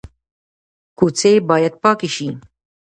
کوڅې باید پاکې شي